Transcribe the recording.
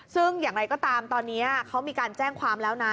ซึ่งอย่างไรก็ตามตอนนี้เขามีการแจ้งความแล้วนะ